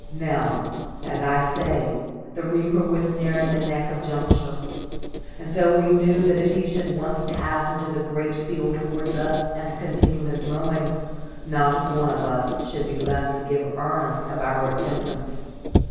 Now, as I say, the reaper was nearing the neck of juncture; and so we knew that if he should once pass into the great field towards us and continue his mowing, not one of us should be left to give earnest of our repentance.